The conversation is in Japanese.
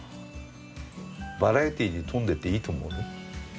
バラエティーに富んでていいと思うよ。